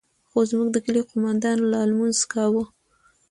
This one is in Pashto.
خو زموږ د کلي قومندان لا لمونځ کاوه.